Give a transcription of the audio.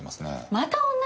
また女！？